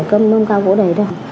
cơm mông cao gỗ đầy đâu